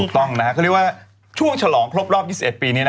ต้องนะฮะเขาเรียกว่าช่วงฉลองครบรอบ๒๑ปีนี้นะ